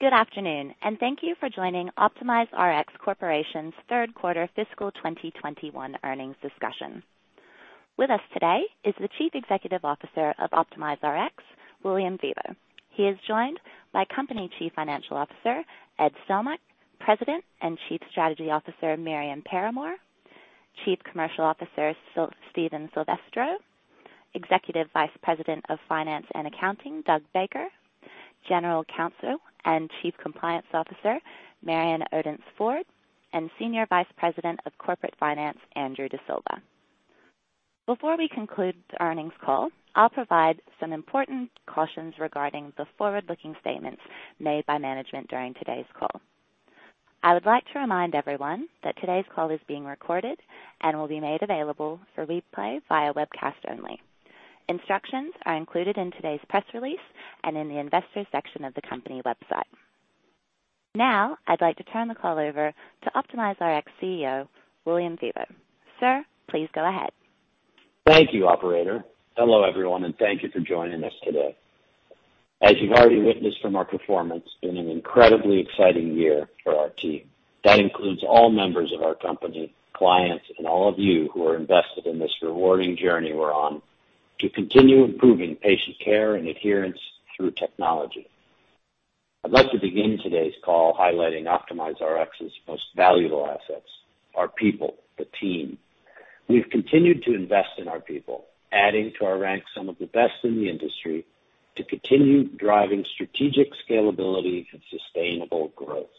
Good afternoon, and thank you for joining OptimizeRx Corporation's third quarter fiscal 2021 earnings discussion. With us today is the Chief Executive Officer of OptimizeRx, William Febbo. He is joined by Company Chief Financial Officer, Ed Stelmakh, President and Chief Strategy Officer, Miriam Paramore, Chief Commercial Officer, Stephen Silvestro, Executive Vice President of Finance and Accounting, Doug Baker, General Counsel and Chief Compliance Officer, Marion Odence-Ford, and Senior Vice President of Corporate Finance, Andrew D'Silva. Before we conclude the earnings call, I'll provide some important cautions regarding the forward-looking statements made by management during today's call. I would like to remind everyone that today's call is being recorded and will be made available for replay via webcast only. Instructions are included in today's press release and in the investors section of the company website. Now, I'd like to turn the call over to OptimizeRx CEO, William Febbo. Sir, please go ahead. Thank you, operator. Hello, everyone, and thank you for joining us today. As you've already witnessed from our performance, it's been an incredibly exciting year for our team. That includes all members of our company, clients, and all of you who are invested in this rewarding journey we're on to continue improving patient care and adherence through technology. I'd like to begin today's call highlighting OptimizeRx's most valuable assets, our people, the team. We've continued to invest in our people, adding to our ranks some of the best in the industry to continue driving strategic scalability and sustainable growth.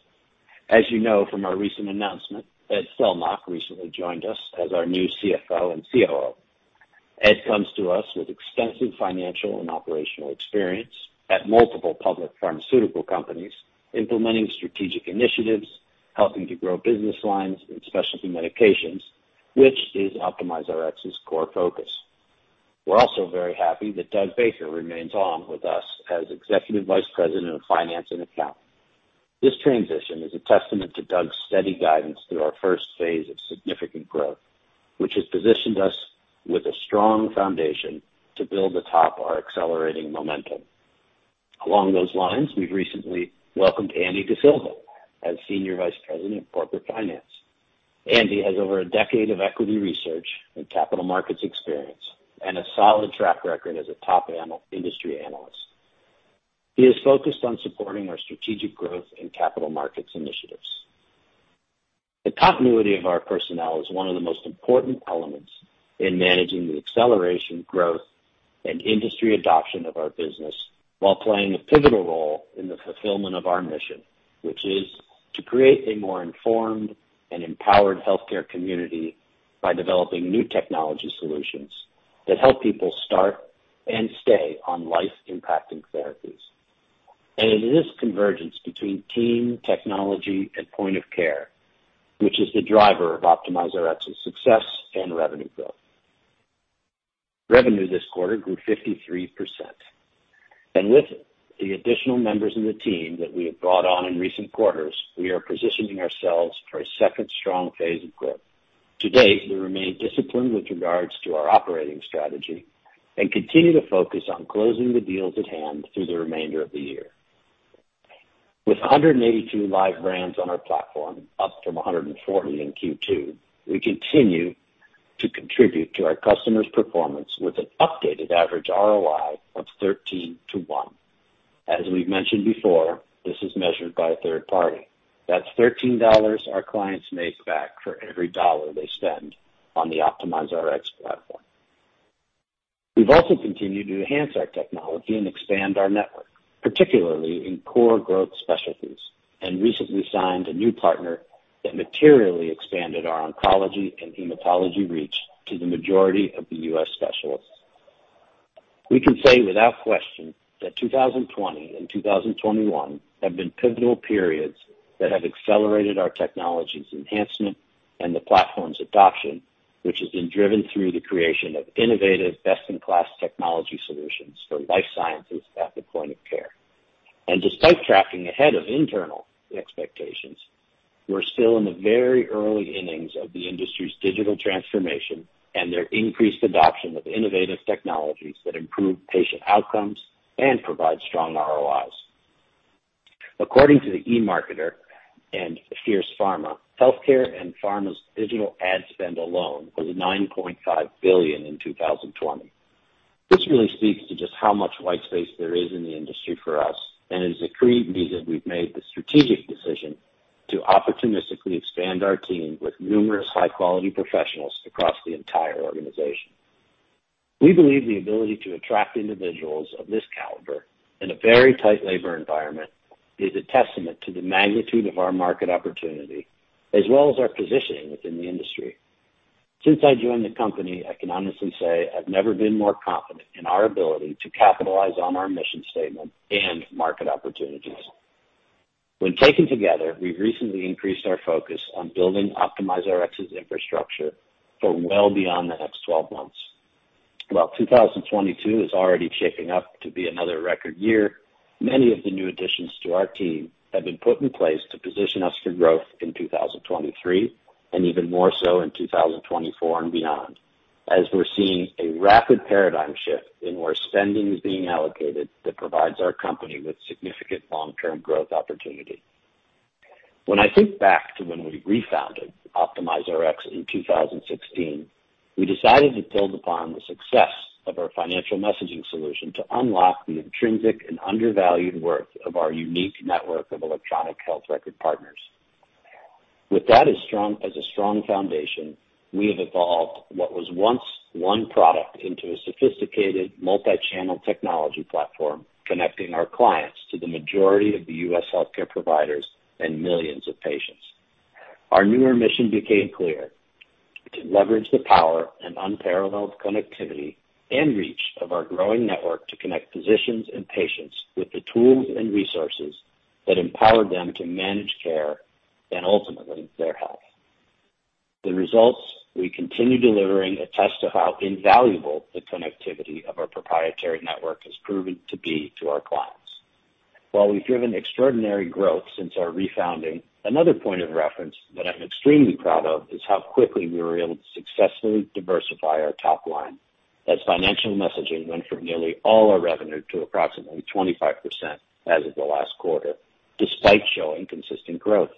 As you know from our recent announcement, Ed Stelmakh recently joined us as our new CFO and COO. Ed comes to us with extensive financial and operational experience at multiple public pharmaceutical companies, implementing strategic initiatives, helping to grow business lines and specialty medications, which is OptimizeRx's core focus. We're also very happy that Doug Baker remains on with us as Executive Vice President of Finance and Accounting. This transition is a testament to Doug's steady guidance through our first phase of significant growth, which has positioned us with a strong foundation to build atop our accelerating momentum. Along those lines, we've recently welcomed Andy D'Silva as Senior Vice President of Corporate Finance. Andy has over a decade of equity research and capital markets experience and a solid track record as a top industry analyst. He is focused on supporting our strategic growth and capital markets initiatives. The continuity of our personnel is one of the most important elements in managing the accelerating growth and industry adoption of our business while playing a pivotal role in the fulfillment of our mission. Which is to create a more informed and empowered healthcare community by developing new technology solutions that help people start and stay on life-impacting therapies. It is this convergence between team, technology, and point of care, which is the driver of OptimizeRx's success and revenue growth. Revenue this quarter grew 53%. With the additional members of the team that we have brought on in recent quarters, we are positioning ourselves for a second strong phase of growth. To date, we remain disciplined with regards to our operating strategy and continue to focus on closing the deals at hand through the remainder of the year. With 182 live brands on our platform, up from 140 in Q2, we continue to contribute to our customers' performance with an updated average ROI of 13:1. As we've mentioned before, this is measured by a third party. That's $13 our clients make back for every dollar they spend on the OptimizeRx platform. We've also continued to enhance our technology and expand our network, particularly in core growth specialties, and recently signed a new partner that materially expanded our oncology and hematology reach to the majority of the U.S. specialists. We can say without question that 2020 and 2021 have been pivotal periods that have accelerated our technology's enhancement and the platform's adoption, which has been driven through the creation of innovative best-in-class technology solutions for life sciences at the point of care. Despite tracking ahead of internal expectations, we're still in the very early innings of the industry's digital transformation and their increased adoption of innovative technologies that improve patient outcomes and provide strong ROIs. According to eMarketer and Fierce Pharma, healthcare and pharma's digital ad spend alone was $9.5 billion in 2020. This really speaks to just how much white space there is in the industry for us, and it is a credit that we've made the strategic decision to opportunistically expand our team with numerous high-quality professionals across the entire organization. We believe the ability to attract individuals of this caliber in a very tight labor environment is a testament to the magnitude of our market opportunity as well as our positioning within the industry. Since I joined the company, I can honestly say I've never been more confident in our ability to capitalize on our mission statement and market opportunities. When taken together, we've recently increased our focus on building OptimizeRx's infrastructure for well beyond the next 12 months. While 2022 is already shaping up to be another record year, many of the new additions to our team have been put in place to position us for growth in 2023, and even more so in 2024 and beyond. As we're seeing a rapid paradigm shift in where spending is being allocated that provides our company with significant long-term growth opportunity. When I think back to when we refounded OptimizeRx in 2016, we decided to build upon the success of our Financial Messaging solution to unlock the intrinsic and undervalued worth of our unique network of electronic health record partners. With that as a strong foundation, we have evolved what was once one product into a sophisticated multi-channel technology platform, connecting our clients to the majority of the U.S. healthcare providers and millions of patients. Our newer mission became clear. To leverage the power and unparalleled connectivity and reach of our growing network to connect physicians and patients with the tools and resources that empower them to manage care and ultimately their health. The results we continue delivering attest to how invaluable the connectivity of our proprietary network has proven to be to our clients. While we've driven extraordinary growth since our refounding, another point of reference that I'm extremely proud of is how quickly we were able to successfully diversify our top line as Financial Messaging went from nearly all our revenue to approximately 25% as of the last quarter, despite showing consistent growth.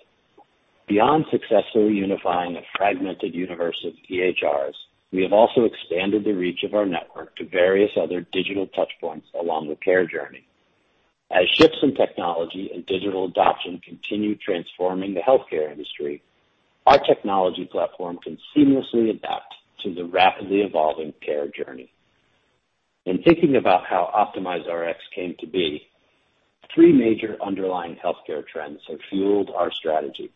Beyond successfully unifying a fragmented universe of EHRs, we have also expanded the reach of our network to various other digital touch points along the care journey. As shifts in technology and digital adoption continue transforming the healthcare industry, our technology platform can seamlessly adapt to the rapidly evolving care journey. In thinking about how OptimizeRx came to be, three major underlying healthcare trends have fueled our strategy,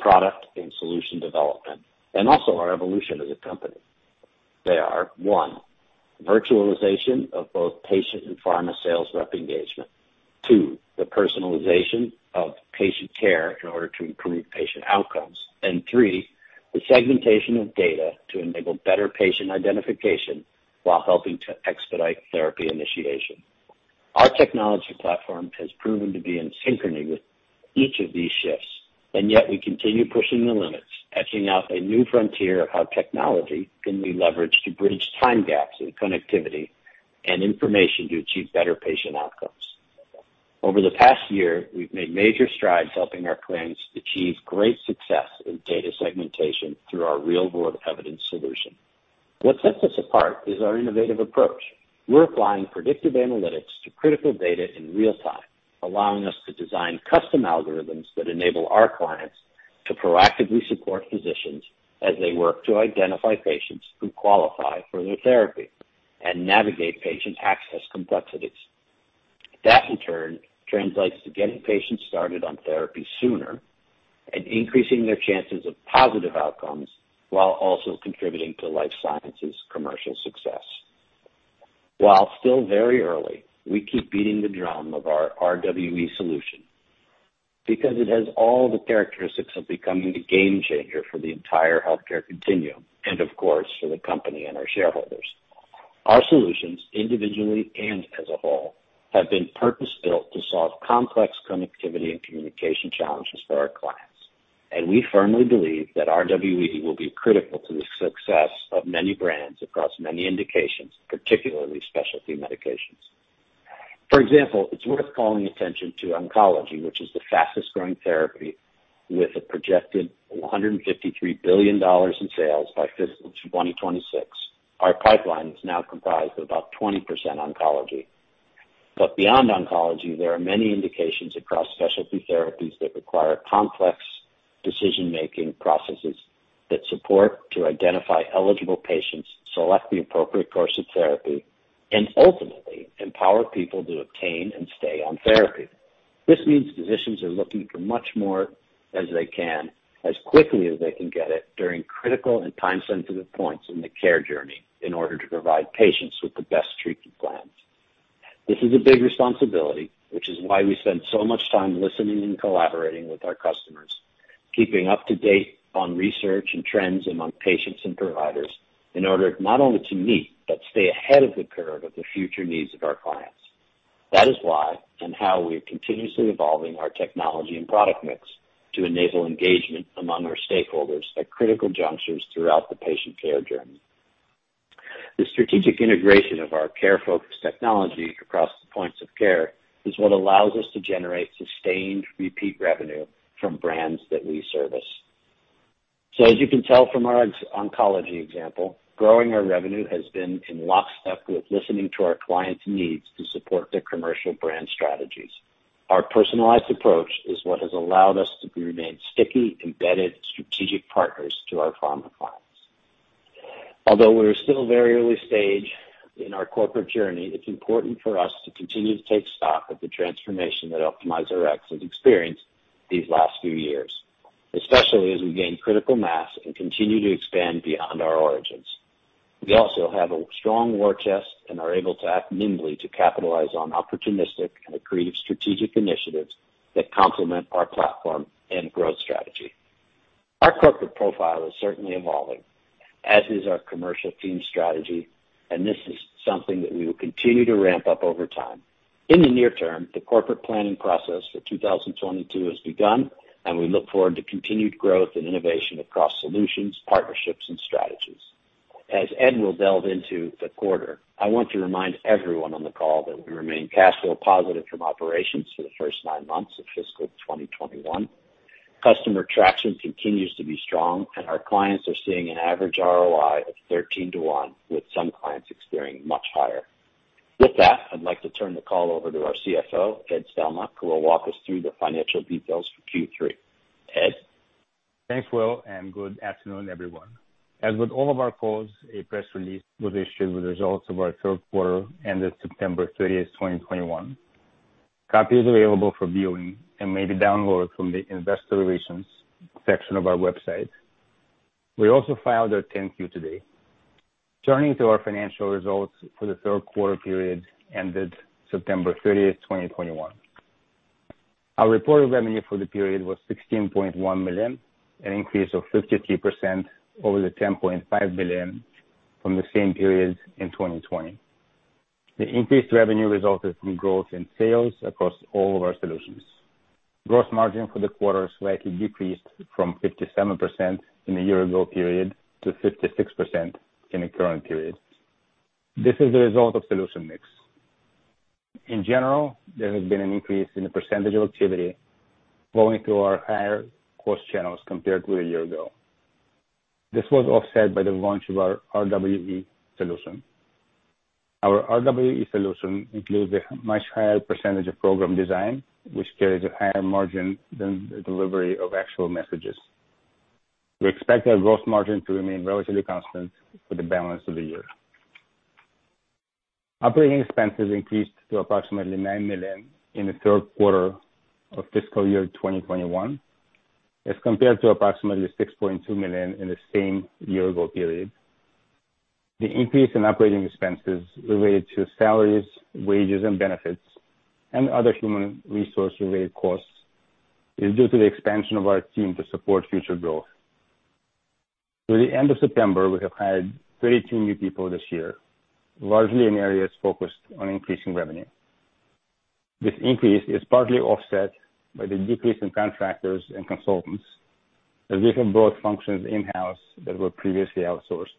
product and solution development, and also our evolution as a company. They are, one, virtualization of both patient and pharma sales rep engagement. Two, the personalization of patient care in order to improve patient outcomes. And three, the segmentation of data to enable better patient identification while helping to expedite therapy initiation. Our technology platform has proven to be in synchrony with each of these shifts, and yet we continue pushing the limits, etching out a new frontier of how technology can be leveraged to bridge time gaps in connectivity and information to achieve better patient outcomes. Over the past year, we've made major strides helping our clients achieve great success in data segmentation through our real-world evidence solution. What sets us apart is our innovative approach. We're applying predictive analytics to critical data in real time, allowing us to design custom algorithms that enable our clients to proactively support physicians as they work to identify patients who qualify for new therapy and navigate patient access complexities. That, in turn, translates to getting patients started on therapy sooner and increasing their chances of positive outcomes while also contributing to life sciences commercial success. While still very early, we keep beating the drum of our RWE solution because it has all the characteristics of becoming a game changer for the entire healthcare continuum and of course, for the company and our shareholders. Our solutions, individually and as a whole, have been purpose-built to solve complex connectivity and communication challenges for our clients. We firmly believe that RWE will be critical to the success of many brands across many indications, particularly specialty medications. For example, it's worth calling attention to oncology, which is the fastest growing therapy with a projected $153 billion in sales by fiscal 2026. Our pipeline is now comprised of about 20% oncology. Beyond oncology, there are many indications across specialty therapies that require complex decision-making processes that support to identify eligible patients, select the appropriate course of therapy, and ultimately empower people to obtain and stay on therapy. This means physicians are looking for as much as they can, as quickly as they can get it during critical and time-sensitive points in the care journey in order to provide patients with the best treatment plans. This is a big responsibility, which is why we spend so much time listening and collaborating with our customers, keeping up to date on research and trends among patients and providers in order not only to meet, but stay ahead of the curve of the future needs of our clients. That is why and how we are continuously evolving our technology and product mix to enable engagement among our stakeholders at critical junctures throughout the patient care journey. The strategic integration of our care-focused technology across the points of care is what allows us to generate sustained repeat revenue from brands that we service. As you can tell from our oncology example, growing our revenue has been in lockstep with listening to our clients' needs to support their commercial brand strategies. Our personalized approach is what has allowed us to remain sticky, embedded strategic partners to our pharma clients. Although we're still very early stage in our corporate journey, it's important for us to continue to take stock of the transformation that OptimizeRx has experienced these last few years, especially as we gain critical mass and continue to expand beyond our origins. We also have a strong war chest and are able to act nimbly to capitalize on opportunistic and accretive strategic initiatives that complement our platform and growth strategy. Our corporate profile is certainly evolving, as is our commercial team strategy. This is something that we will continue to ramp up over time. In the near-term, the corporate planning process for 2022 has begun, and we look forward to continued growth and innovation across solutions, partnerships, and strategies. As Ed will delve into the quarter, I want to remind everyone on the call that we remain cash flow positive from operations for the first nine months of fiscal 2021. Customer traction continues to be strong, and our clients are seeing an average ROI of 13:1, with some clients experiencing much higher. With that, I'd like to turn the call over to our CFO, Ed Stelmakh, who will walk us through the financial details for Q3. Ed? Thanks, Will, and good afternoon, everyone. As with all of our calls, a press release was issued with the results of our third quarter ended September 30th, 2021. A copy is available for viewing and may be downloaded from the investor relations section of our website. We also filed our 10-Q today. Turning to our financial results for the third quarter period ended September 30th, 2021. Our reported revenue for the period was $16.1 million, an increase of 53% over the $10.5 million from the same period in 2020. The increased revenue resulted from growth in sales across all of our solutions. Gross margin for the quarter slightly decreased from 57% in the year ago period to 56% in the current period. This is the result of solution mix. In general, there has been an increase in the percentage of activity flowing through our higher cost channels compared to a year ago. This was offset by the launch of our RWE solution. Our RWE solution includes a much higher percentage of program design, which carries a higher margin than the delivery of actual messages. We expect our gross margin to remain relatively constant for the balance of the year. Operating expenses increased to approximately $9 million in the third quarter of fiscal year 2021, as compared to approximately $6.2 million in the same year ago period. The increase in operating expenses related to salaries, wages, and benefits, and other human resource-related costs is due to the expansion of our team to support future growth. Through the end of September, we have hired 32 new people this year, largely in areas focused on increasing revenue. This increase is partly offset by the decrease in contractors and consultants, as we have both functions in-house that were previously outsourced.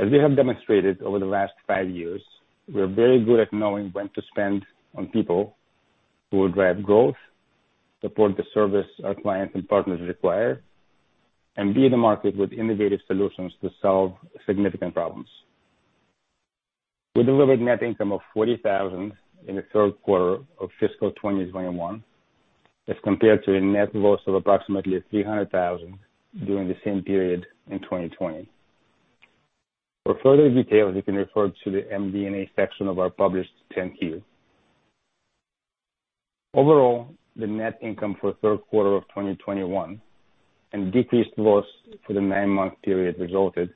As we have demonstrated over the last five years, we are very good at knowing when to spend on people who will drive growth, support the service our clients and partners require, and be in the market with innovative solutions to solve significant problems. We delivered net income of $40,000 in the third quarter of fiscal 2021, as compared to a net loss of approximately $300,000 during the same period in 2020. For further details, you can refer to the MD&A section of our published 10-Q. Overall, the net income for third quarter of 2021 and decreased loss for the nine-month period resulted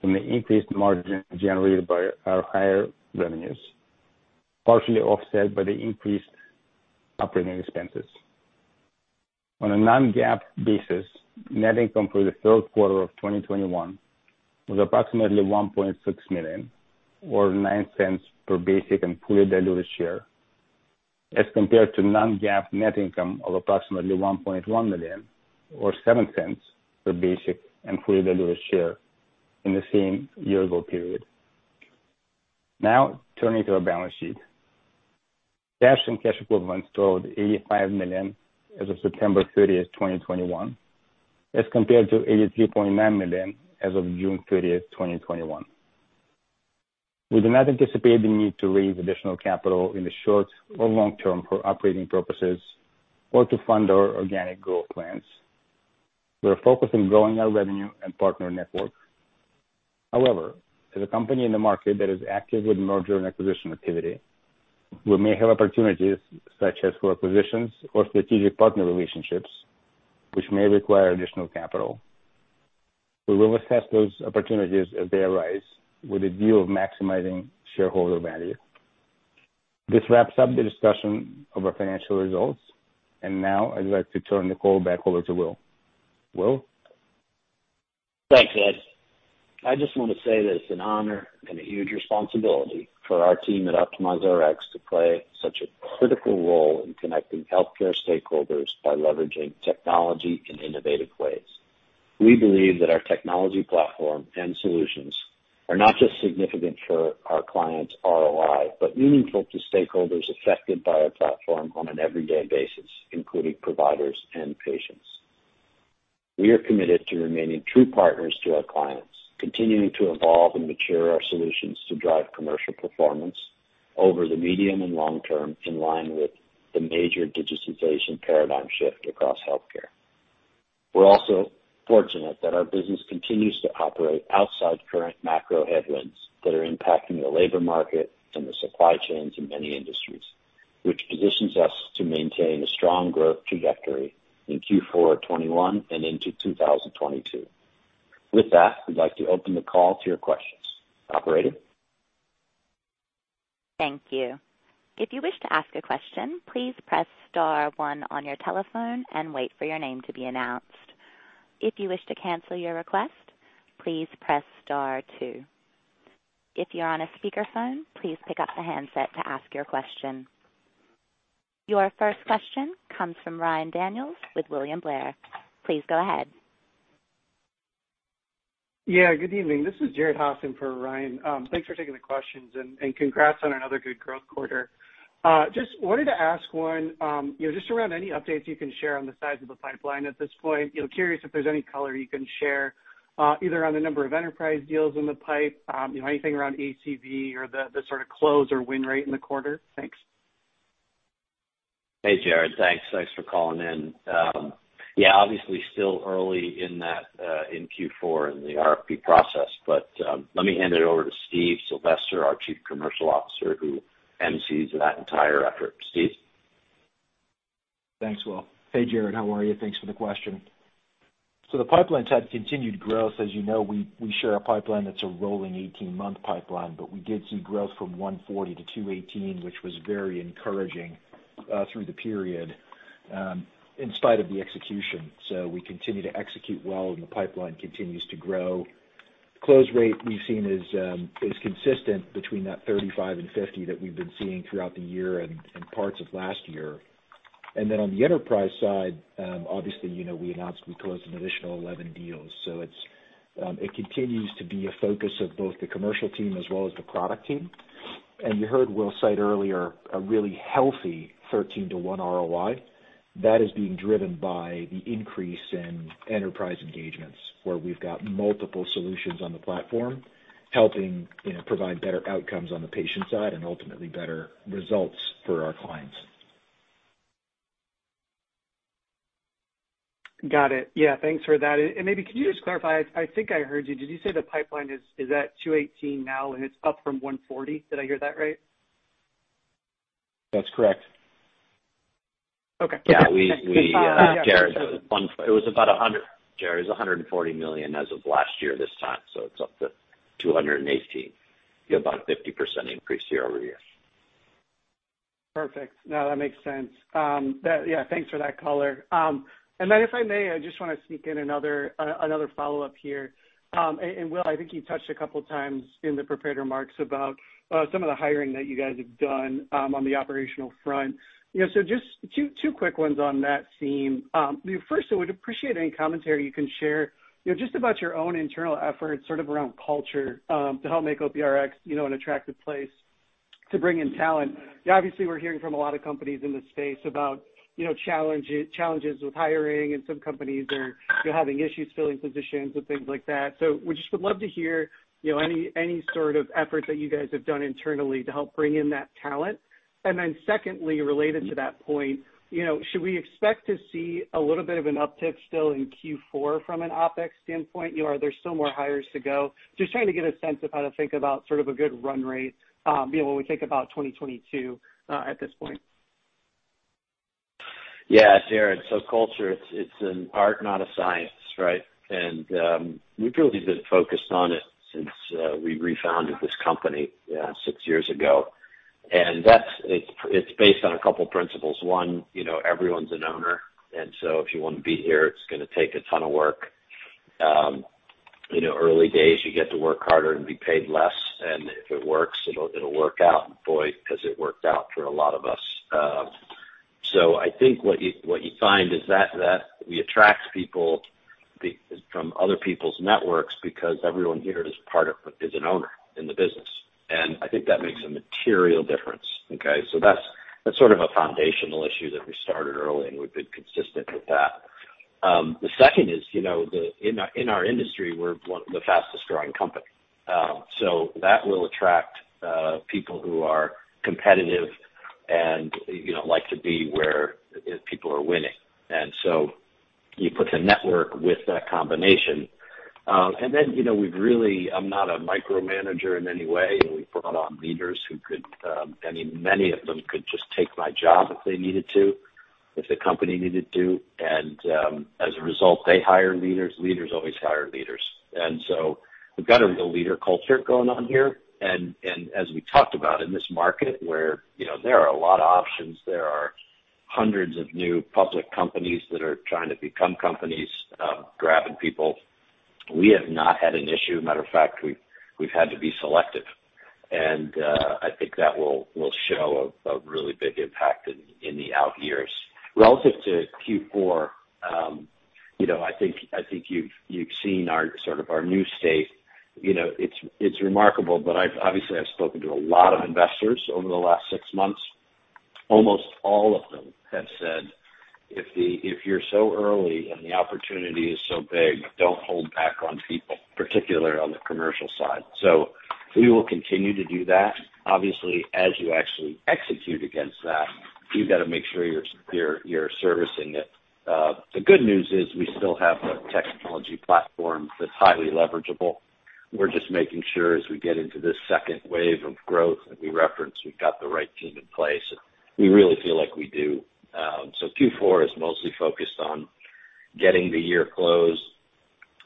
from the increased margin generated by our higher revenues, partially offset by the increased operating expenses. On a non-GAAP basis, net income for the third quarter of 2021 was approximately $1.6 million or $0.09 per basic and fully diluted share, as compared to non-GAAP net income of approximately $1.1 million or $0.07 per basic and fully diluted share in the same year ago period. Now turning to our balance sheet. Cash and cash equivalents totaled $85 million as of September 30th, 2021, as compared to $83.9 million as of June 30th, 2021. We do not anticipate the need to raise additional capital in the short or long-term for operating purposes or to fund our organic growth plans. We are focused on growing our revenue and partner network. However, as a company in the market that is active with merger and acquisition activity, we may have opportunities such as for acquisitions or strategic partner relationships which may require additional capital. We will assess those opportunities as they arise with a view of maximizing shareholder value. This wraps up the discussion of our financial results. Now I'd like to turn the call back over to Will. Will? Thanks, Ed. I just want to say that it's an honor and a huge responsibility for our team at OptimizeRx to play such a critical role in connecting healthcare stakeholders by leveraging technology in innovative ways. We believe that our technology platform and solutions are not just significant for our clients' ROI, but meaningful to stakeholders affected by our platform on an everyday basis, including providers and patients. We are committed to remaining true partners to our clients, continuing to evolve and mature our solutions to drive commercial performance over the medium and long-term, in line with the major digitization paradigm shift across healthcare. We're also fortunate that our business continues to operate outside current macro headwinds that are impacting the labor market and the supply chains in many industries, which positions us to maintain a strong growth trajectory in Q4 of 2021 and into 2022. With that, we'd like to open the call to your questions. Operator? Thank you. If you wish to ask a question, please press star one on your telephone and wait for your name to be announced. If you wish to cancel your request, please press star two. If you're on a speakerphone, please pick up the handset to ask your question. Your first question comes from Ryan Daniels with William Blair. Please go ahead. Yeah, good evening. This is Jared Haase for Ryan. Thanks for taking the questions and congrats on another good growth quarter. Just wanted to ask one, you know, just around any updates you can share on the size of the pipeline at this point. You know, curious if there's any color you can share, either on the number of enterprise deals in the pipe, you know, anything around ACV or the sort of close or win rate in the quarter. Thanks. Hey, Jared. Thanks for calling in. Yeah, obviously still early in that, in Q4 in the RFP process, but let me hand it over to Steve, our Chief Commercial Officer, who MCs that entire effort. Steve? Thanks, Will. Hey, Jared, how are you? Thanks for the question. The pipeline's had continued growth. As you know, we share a pipeline that's a rolling 18-month pipeline, but we did see growth from $140 million to $218 million, which was very encouraging through the period in spite of the execution. We continue to execute well and the pipeline continues to grow. Close rate we've seen is consistent between that 35% and 50% that we've been seeing throughout the year and parts of last year. Then on the enterprise side, obviously, you know, we announced we closed an additional 11 deals. It continues to be a focus of both the commercial team as well as the product team. You heard Will cite earlier a really healthy 13:1 ROI. That is being driven by the increase in enterprise engagements, where we've got multiple solutions on the platform helping, you know, provide better outcomes on the patient side and ultimately better results for our clients. Got it. Yeah, thanks for that. Maybe could you just clarify, I think I heard you. Did you say the pipeline is at $218 million now and it's up from $140 million? Did I hear that right? That's correct. Okay. Jared, it was $140 million as of last year this time, so it's up to $218 million. You have about a 50% increase year-over-year. Perfect. No, that makes sense. That, yeah, thanks for that color. Then if I may, I just wanna sneak in another follow-up here. Will, I think you touched a couple times in the prepared remarks about some of the hiring that you guys have done on the operational front. You know, just two quick ones on that theme. First, I would appreciate any commentary you can share, you know, just about your own internal efforts sort of around culture to help make OPRX, you know, an attractive place to bring in talent. Obviously, we're hearing from a lot of companies in this space about, you know, challenges with hiring and some companies are, you know, having issues filling positions and things like that. We just would love to hear, you know, any sort of efforts that you guys have done internally to help bring in that talent. Secondly, related to that point, you know, should we expect to see a little bit of an uptick still in Q4 from an OpEx standpoint? You know, are there still more hires to go? Just trying to get a sense of how to think about sort of a good run rate, you know, when we think about 2022 at this point. Yeah, Jared, culture, it's an art, not a science, right? We've really been focused on it since we refounded this company six years ago. That's. It's based on a couple principles. One, you know, everyone's an owner. If you wanna be here, it's gonna take a ton of work. You know, early days, you get to work harder and be paid less. If it works, it'll work out. Boy, has it worked out for a lot of us. I think what you find is that we attract people from other people's networks because everyone here is an owner in the business. I think that makes a material difference, okay? That's a foundational issue that we started early, and we've been consistent with that. The second is, in our industry, we're one of the fastest growing company. That will attract people who are competitive and like to be where people are winning. You put the network with that combination. I'm not a micromanager in any way, and we've brought on leaders, many of them could just take my job if the company needed to. As a result, they hire leaders. Leaders always hire leaders. We've got a real leader culture going on here. As we talked about in this market where, you know, there are a lot of options, there are hundreds of new public companies that are trying to become companies, grabbing people. We have not had an issue. Matter of fact, we've had to be selective. I think that will show a really big impact in the out years. Relative to Q4, you know, I think you've seen sort of our new stage. You know, it's remarkable, but I've obviously spoken to a lot of investors over the last six months. Almost all of them have said, "If you're so early and the opportunity is so big, don't hold back on people, particularly on the commercial side." We will continue to do that. Obviously, as you actually execute against that, you've got to make sure you're servicing it. The good news is we still have a technology platform that's highly leverageable. We're just making sure as we get into this second wave of growth that we reference, we've got the right team in place. We really feel like we do. Q4 is mostly focused on getting the year closed.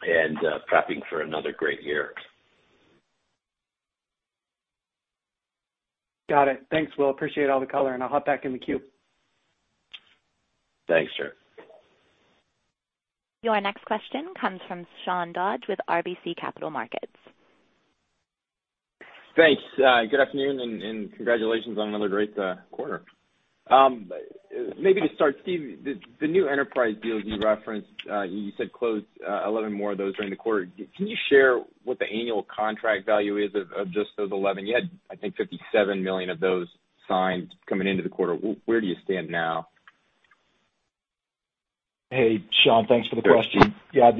Prepping for another great year. Got it. Thanks, Will. Appreciate all the color, and I'll hop back in the queue. Thanks, sir. Your next question comes from Sean Dodge with RBC Capital Markets. Thanks. Good afternoon and congratulations on another great quarter. Maybe to start, Steve, the new enterprise deals you referenced, you said closed 11 more of those during the quarter. Can you share what the annual contract value is of just those 11 yet? I think $57 million of those signed coming into the quarter. Where do you stand now? Hey, Sean, thanks for the question. Yeah,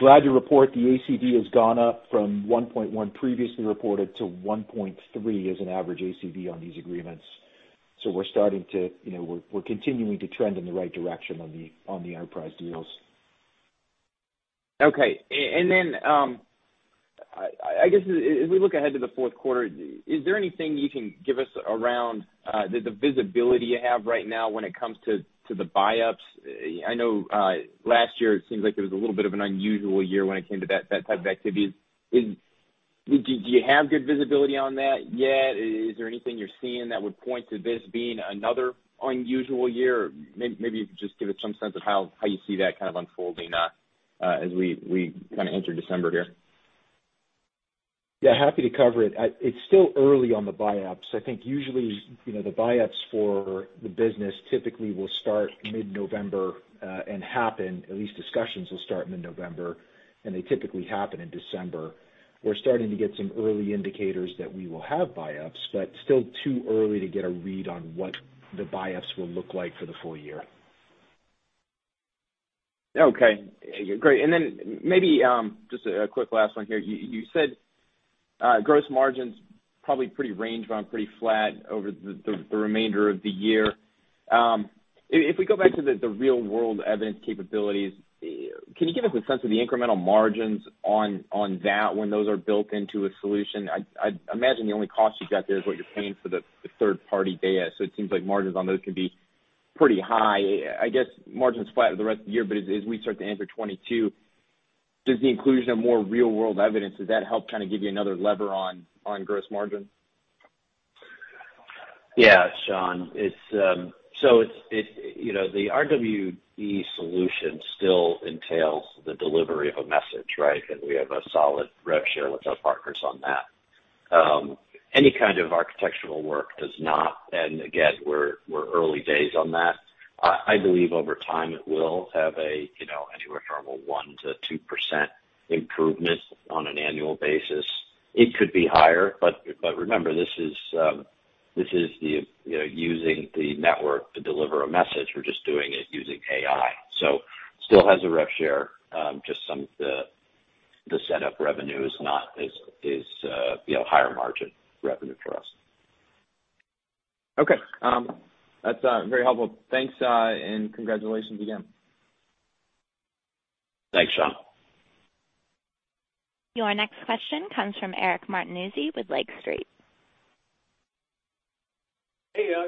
glad to report the ACV has gone up from 1.1 previously reported to 1.3 as an average ACV on these agreements. We're starting to, you know, we're continuing to trend in the right direction on the enterprise deals. I guess as we look ahead to the fourth quarter, is there anything you can give us around the visibility you have right now when it comes to the buy-ups? I know last year it seems like it was a little bit of an unusual year when it came to that type of activity. Do you have good visibility on that yet? Is there anything you're seeing that would point to this being another unusual year? Maybe you could just give us some sense of how you see that kind of unfolding as we kind of enter December here. Yeah, happy to cover it. It's still early on the buy-ups. I think usually, you know, the buy-ups for the business typically will start mid-November, and happen, at least discussions will start mid-November, and they typically happen in December. We're starting to get some early indicators that we will have buy-ups, but still too early to get a read on what the buy-ups will look like for the full-year. Okay. Great. Then maybe just a quick last one here. You said gross margins probably pretty range-bound, pretty flat over the remainder of the year. If we go back to the real-world evidence capabilities, can you give us a sense of the incremental margins on that when those are built into a solution? I imagine the only cost you've got there is what you're paying for the third-party data. So it seems like margins on those can be pretty high. I guess margin's flat for the rest of the year, but as we start to enter 2022, does the inclusion of more real-world evidence, does that help kind of give you another lever on gross margin? Yeah, Sean. It's so you know the RWE solution still entails the delivery of a message, right? We have a solid rev share with our partners on that. Any kind of architectural work does not. Again, we're early days on that. I believe over time, it will have a you know anywhere from a 1%-2% improvement on an annual basis. It could be higher, but remember, this is the you know using the network to deliver a message. We're just doing it using AI. Still has a rev share, just some of the setup revenue is not as you know higher margin revenue for us. Okay. That's very helpful. Thanks, and congratulations again. Thanks, Sean. Your next question comes from Eric Martinuzzi with Lake Street. Hey,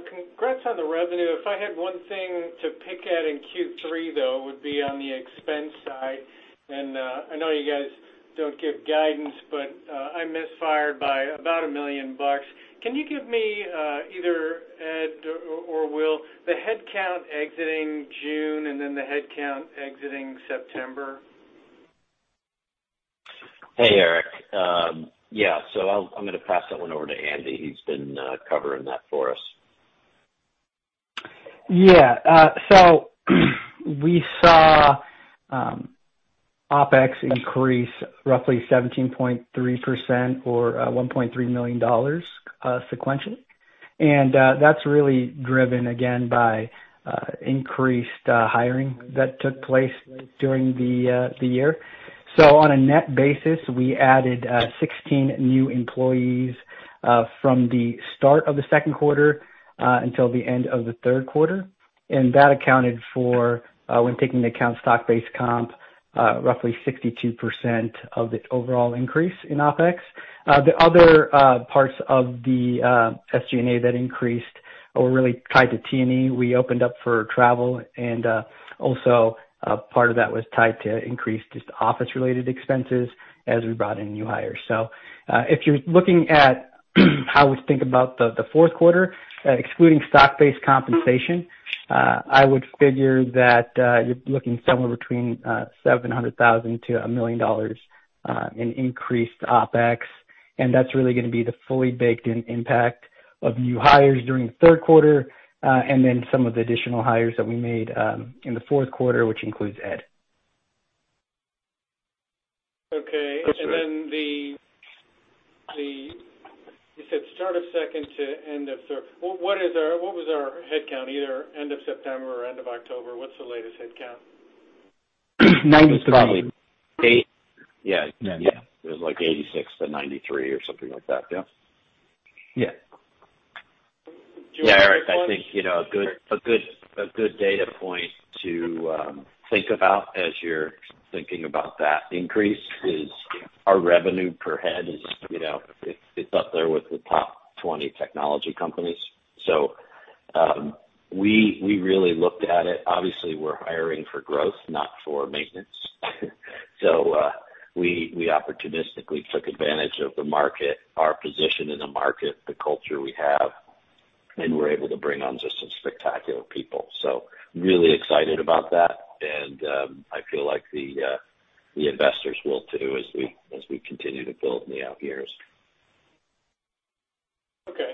congrats on the revenue. If I had one thing to pick at in Q3, though, it would be on the expense side. I know you guys don't give guidance, but I misfired by about a million bucks. Can you give me either Ed or Will, the headcount exiting June and then the headcount exiting September? Hey, Eric. I'm gonna pass that one over to Andy. He's been covering that for us. Yeah. We saw OpEx increase roughly 17.3% or $1.3 million sequentially. That's really driven again by increased hiring that took place during the year. On a net basis, we added 16 new employees from the start of the second quarter until the end of the third quarter. That accounted for when taking into account stock-based comp roughly 62% of the overall increase in OpEx. The other parts of the SG&A that increased are really tied to T&E. We opened up for travel and also part of that was tied to increased just office-related expenses as we brought in new hires. If you're looking at how we think about the fourth quarter, excluding stock-based compensation, I would figure that you're looking somewhere between $700,000-$1 million in increased OpEx. That's really gonna be the fully baked in impact of new hires during the third quarter, and then some of the additional hires that we made in the fourth quarter, which includes Ed. Okay. That's right. You said start of second to end of third. What was our headcount either end of September or end of October? What's the latest headcount? 93. It's probably 8. Yeah. Yeah. It was like 86-93 or something like that. Yeah. Yeah. Do you want- Yeah, Eric, I think, you know, a good data point to think about as you're thinking about that increase is our revenue per head is, you know, it's up there with the top 20 technology companies. So, we really looked at it. Obviously, we're hiring for growth, not for maintenance. So, we opportunistically took advantage of the market, our position in the market, the culture we have, and we're able to bring on just some spectacular people. So really excited about that, and I feel like the investors will too as we continue to build in the out years. Okay.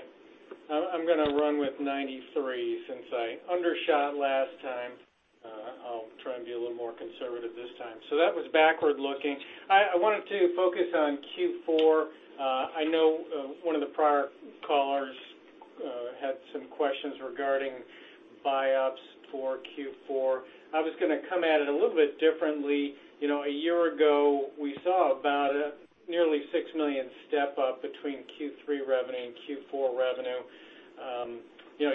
I'm gonna run with 93 since I undershot last time. I'll try and be a little more conservative this time. That was backward-looking. I wanted to focus on Q4. I know one of the prior callers had some questions regarding buy-ups for Q4. I was gonna come at it a little bit differently. A year ago, we saw about nearly $6 million step-up between Q3 revenue and Q4 revenue.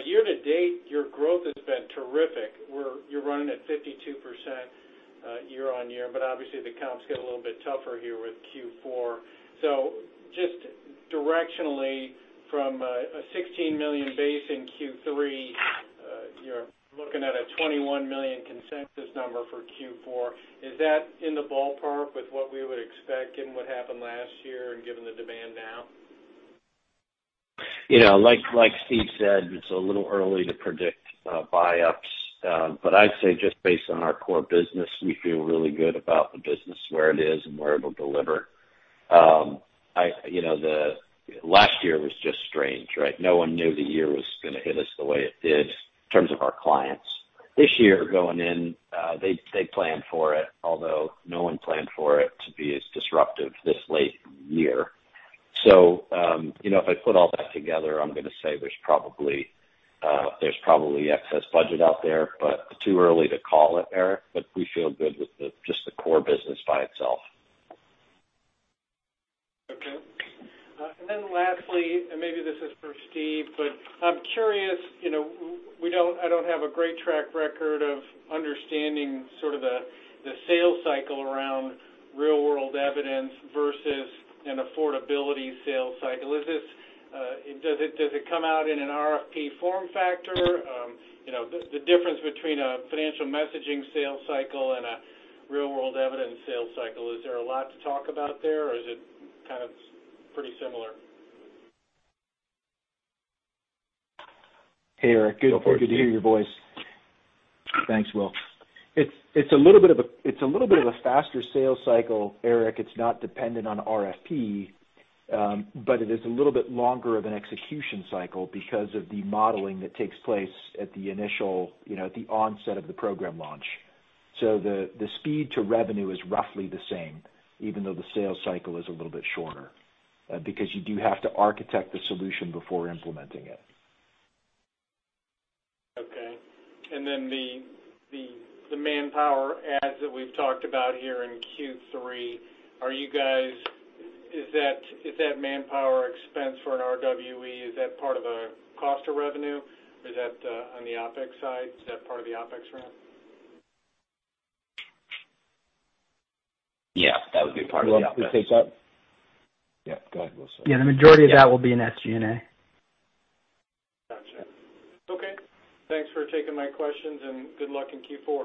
Year to date, your growth has been terrific, where you're running at 52% year-on-year. Obviously the comps get a little bit tougher here with Q4. Just directionally from a $16 million base in Q3, you're looking at a $21 million consensus number for Q4. Is that in the ballpark with what we would expect given what happened last year and given the demand now? You know, like Steve said, it's a little early to predict buy-ups. I'd say just based on our core business, we feel really good about the business, where it is and where it will deliver. You know, the last year was just strange, right? No one knew the year was gonna hit us the way it did in terms of our clients. This year going in, they planned for it, although no one planned for it to be as disruptive this late in the year. You know, if I put all that together, I'm gonna say there's probably excess budget out there, but too early to call it, Eric. We feel good with just the core business by itself. Okay. Lastly, maybe this is for Steve, but I'm curious, you know, I don't have a great track record of understanding sort of the sales cycle around real-world evidence versus an affordability sales cycle. Does it come out in an RFP form factor? You know, the difference between a financial messaging sales cycle and a real-world evidence sales cycle, is there a lot to talk about there or is it kind of pretty similar? Hey, Eric. Good to hear your voice. Thanks, Will. It's a little bit of a faster sales cycle, Eric. It's not dependent on RFP, but it is a little bit longer of an execution cycle because of the modeling that takes place at the initial, you know, at the onset of the program launch. The speed to revenue is roughly the same, even though the sales cycle is a little bit shorter, because you do have to architect the solution before implementing it. Okay. Then the manpower ads that we've talked about here in Q3, is that manpower expense for an RWE? Is that part of a cost of revenue or is that on the OpEx side? Is that part of the OpEx run? Yeah, that would be part of the OpEx. Will, can you take that? Yeah, go ahead, Steve. Yeah, the majority of that will be in SG&A. Gotcha. Okay. Thanks for taking my questions and good luck in Q4.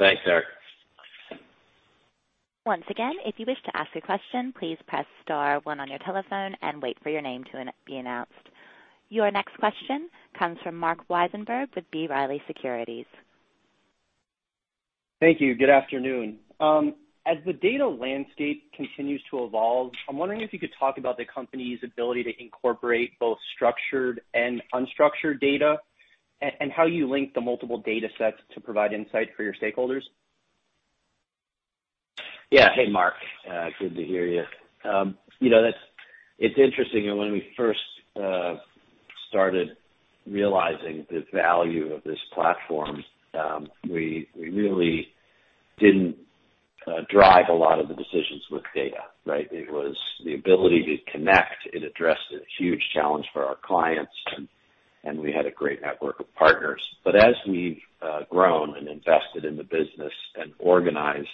Thanks, Eric. Once again, if you wish to ask a question, please press star one on your telephone and wait for your name to be announced. Your next question comes from Marc Wiesenberger with B. Riley Securities. Thank you. Good afternoon. As the data landscape continues to evolve, I'm wondering if you could talk about the company's ability to incorporate both structured and unstructured data and how you link the multiple data sets to provide insight for your stakeholders? Yeah. Hey, Marc. Good to hear you. You know, it's interesting that when we first started realizing the value of this platform, we really didn't drive a lot of the decisions with data, right? It was the ability to connect. It addressed a huge challenge for our clients and we had a great network of partners. As we've grown and invested in the business and organized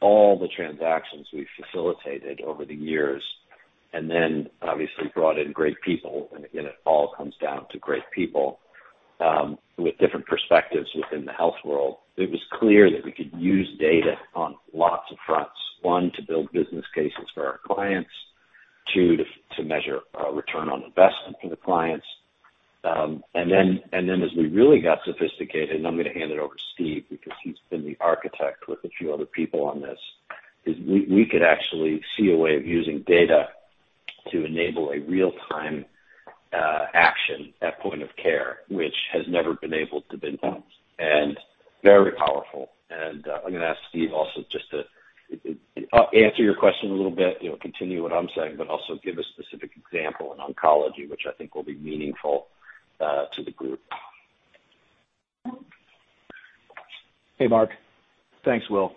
all the transactions we've facilitated over the years, and then obviously brought in great people, and again, it all comes down to great people with different perspectives within the health world, it was clear that we could use data on lots of fronts. One, to build business cases for our clients. Two, to measure return on investment for the clients. As we really got sophisticated, and I'm gonna hand it over to Steve because he's been the architect with a few other people on this, is we could actually see a way of using data to enable a real-time action at point of care, which has never been able to been done, and very powerful. I'm gonna ask Steve also just to answer your question a little bit, you know, continue what I'm saying, but also give a specific example in oncology, which I think will be meaningful to the group. Hey, Marc. Thanks, Will.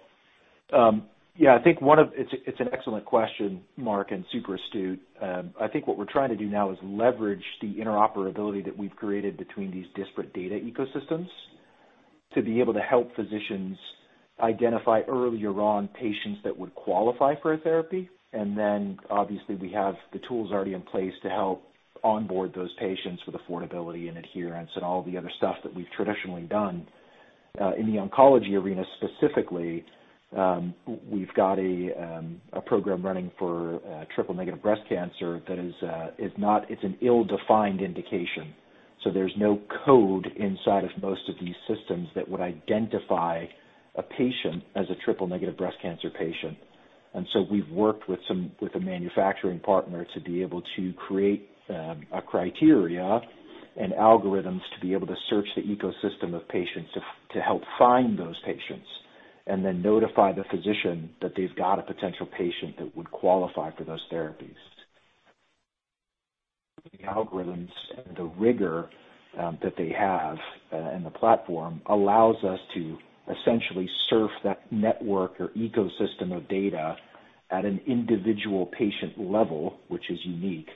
Yeah, I think it's an excellent question, Marc, and super astute. I think what we're trying to do now is leverage the interoperability that we've created between these disparate data ecosystems to be able to help physicians identify earlier on patients that would qualify for a therapy. Obviously we have the tools already in place to help onboard those patients with affordability and adherence and all the other stuff that we've traditionally done. In the oncology arena specifically, we've got a program running for triple-negative breast cancer that is an ill-defined indication. There's no code inside of most of these systems that would identify a patient as a triple-negative breast cancer patient. We've worked with a manufacturing partner to be able to create a criteria and algorithms to be able to search the ecosystem of patients to help find those patients and then notify the physician that they've got a potential patient that would qualify for those therapies. The algorithms and the rigor that they have in the platform allows us to essentially surf that network or ecosystem of data at an individual patient level, which is unique,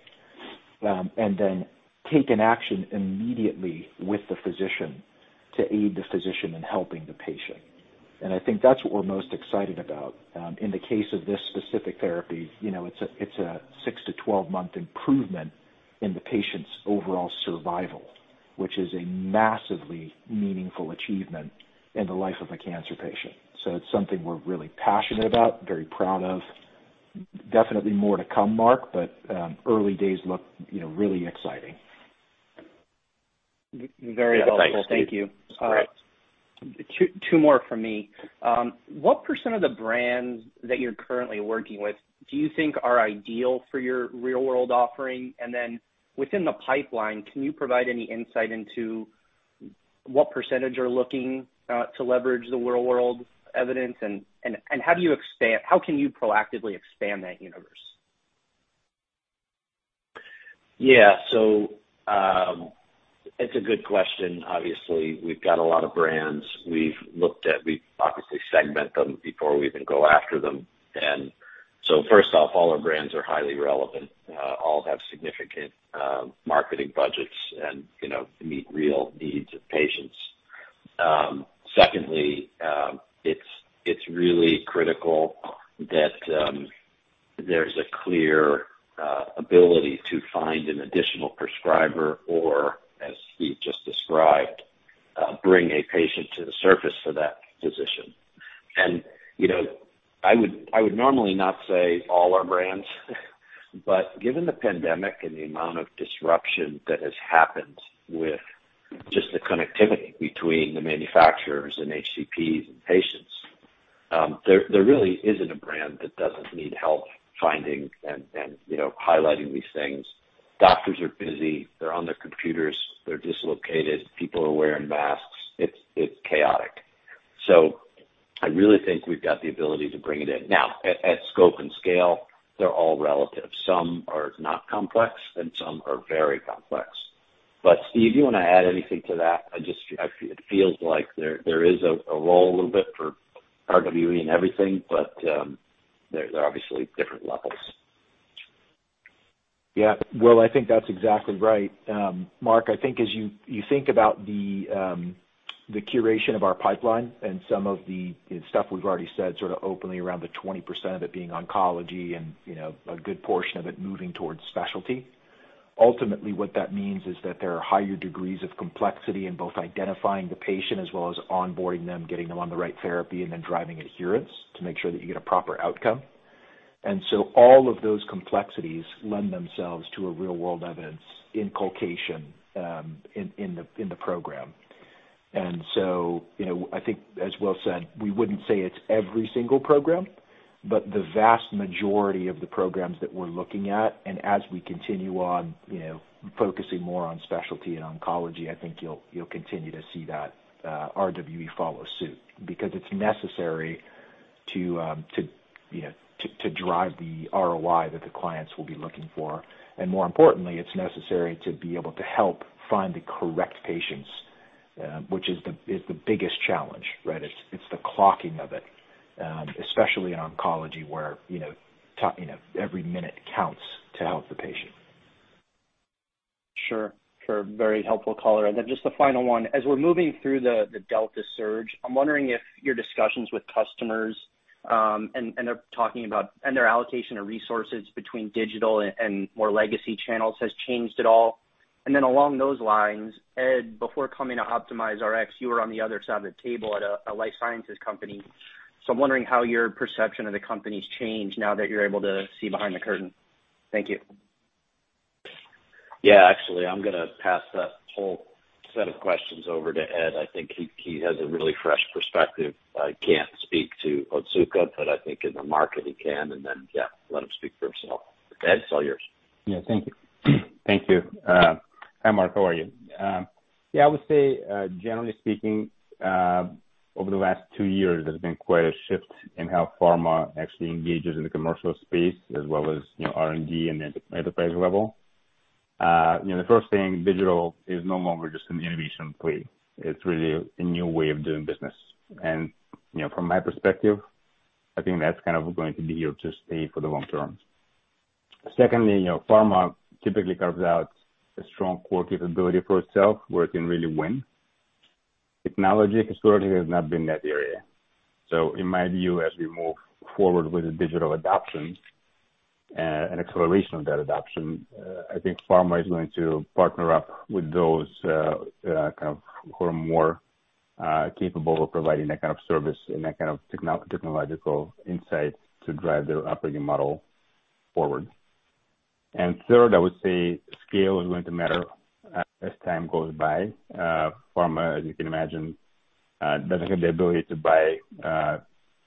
and then take an action immediately with the physician to aid the physician in helping the patient. I think that's what we're most excited about. In the case of this specific therapy, you know, it's a six to 12-month improvement in the patient's overall survival, which is a massively meaningful achievement in the life of a cancer patient. It's something we're really passionate about, very proud of. Definitely more to come, Marc, but early days look, you know, really exciting. Very helpful. Thank you. Thanks, Steve. Two more from me. What % of the brands that you're currently working with do you think are ideal for your real-world offering? Within the pipeline, can you provide any insight into what percentage are looking to leverage the real-world evidence, and how can you proactively expand that universe? Yeah. It's a good question. Obviously, we've got a lot of brands we've looked at. We obviously segment them before we even go after them. First off, all our brands are highly relevant. All have significant marketing budgets and, you know, meet real needs of patients. Secondly, it's really critical that there's a clear ability to find an additional prescriber or as Steve just described, bring a patient to the surface for that physician. You know, I would normally not say all our brands, but given the pandemic and the amount of disruption that has happened with just the connectivity between the manufacturers and HCPs and patients, there really isn't a brand that doesn't need help finding and, you know, highlighting these things. Doctors are busy. They're on their computers. They're dislocated. People are wearing masks. It's chaotic. I really think we've got the ability to bring it in. Now, at scope and scale, they're all relative. Some are not complex and some are very complex. Steve, do you wanna add anything to that? I just, it feels like there is a role a little bit for RWE in everything, but there are obviously different levels. Yeah. Will, I think that's exactly right. Marc, I think as you think about the curation of our pipeline and some of the stuff we've already said sort of openly around the 20% of it being oncology and, you know, a good portion of it moving towards specialty, ultimately what that means is that there are higher degrees of complexity in both identifying the patient as well as onboarding them, getting them on the right therapy, and then driving adherence to make sure that you get a proper outcome. All of those complexities lend themselves to a real-world evidence inculcation in the program. You know, I think as Will said, we wouldn't say it's every single program, but the vast majority of the programs that we're looking at, and as we continue on, you know, focusing more on specialty and oncology, I think you'll continue to see that, RWE follow suit because it's necessary to drive the ROI that the clients will be looking for. More importantly, it's necessary to be able to help find the correct patients, which is the biggest challenge, right? It's the clocking of it, especially in oncology, where you know, every minute counts to help the patient. Sure. Sure. Very helpful call. Then just the final one. As we're moving through the Delta surge, I'm wondering if your discussions with customers and they're talking about their allocation of resources between digital and more legacy channels has changed at all. Then along those lines, Ed, before coming to OptimizeRx, you were on the other side of the table at a life sciences company. I'm wondering how your perception of the company's changed now that you're able to see behind the curtain. Thank you. Yeah. Actually, I'm gonna pass that whole set of questions over to Ed. I think he has a really fresh perspective. I can't speak to Otsuka, but I think in the market he can. Yeah, let him speak for himself. Ed, it's all yours. Yeah. Thank you. Hi, Marc. How are you? Yeah, I would say, generally speaking, over the last two years, there's been quite a shift in how pharma actually engages in the commercial space as well as, you know, R&D and enterprise level. You know, the first thing, digital is no longer just an innovation play. It's really a new way of doing business. You know, from my perspective, I think that's kind of going to be here to stay for the long-term. Secondly, you know, pharma typically carves out a strong core capability for itself where it can really win. Technology historically has not been that area. In my view, as we move forward with the digital adoption and acceleration of that adoption, I think pharma is going to partner up with those kind of who are more capable of providing that kind of service and that kind of technological insight to drive their operating model forward. Third, I would say scale is going to matter as time goes by. Pharma, as you can imagine, doesn't have the ability to buy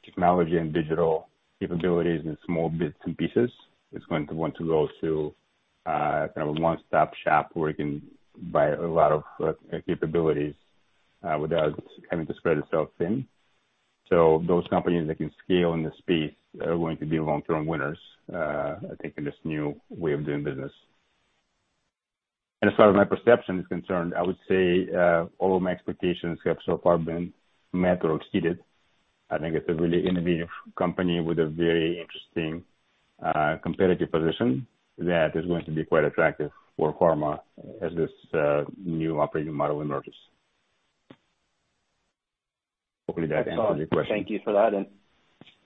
technology and digital capabilities in small bits and pieces. It's going to want to go to kind of a one-stop shop where it can buy a lot of capabilities without having to spread itself thin. Those companies that can scale in the space are going to be long-term winners, I think, in this new way of doing business. As far as my perception is concerned, I would say, all of my expectations have so far been met or exceeded. I think it's a really innovative company with a very interesting, competitive position that is going to be quite attractive for pharma as this, new operating model emerges. Hopefully that answers your question. Thank you for that.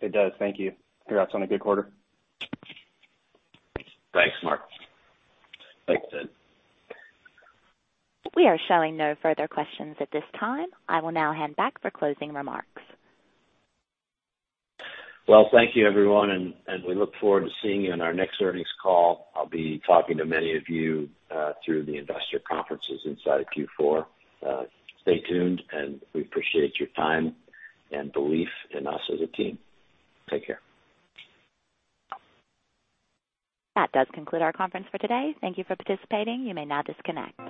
It does. Thank you. Congrats on a good quarter. Thanks, Marc. Thanks, Ed. We are showing no further questions at this time. I will now hand back for closing remarks. Well, thank you everyone, and we look forward to seeing you on our next earnings call. I'll be talking to many of you through the investor conferences inside Q4. Stay tuned, and we appreciate your time and belief in us as a team. Take care. That does conclude our conference for today. Thank you for participating. You may now disconnect.